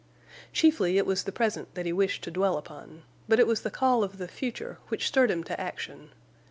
Chiefly it was the present that he wished to dwell upon; but it was the call of the future which stirred him to action.